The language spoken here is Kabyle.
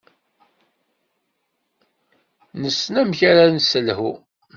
Nessen amek ara s-nelḥu.